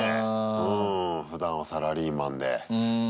うんふだんはサラリーマンで。